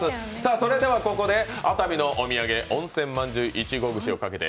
それではここで、熱海のお土産温泉まんじゅういちご串をかけて